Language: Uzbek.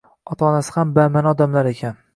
Ota-onasi ham bama`ni odamlar ekan